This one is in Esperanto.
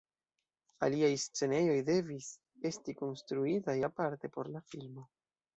Aliaj scenejoj devis esti konstruitaj aparte por la filmo.